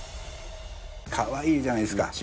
かわいいじゃないですか。